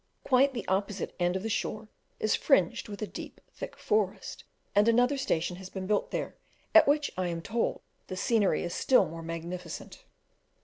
Quite the opposite end of the shore is fringed with a thick deep forest, and another station has been built there, at which, I am told, the scenery is still more magnificent.